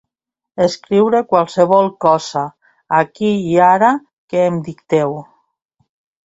Escriuré qualsevol cosa, aquí i ara, que em dicteu.